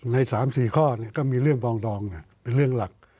ในสามสี่ข้อเนี่ยก็มีเรื่องบองดองเนี่ยเป็นเรื่องหลัก